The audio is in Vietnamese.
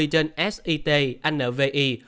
trên sit nvi